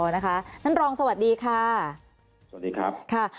น้ำรองสวัสดีค่ะสวัสดีครับ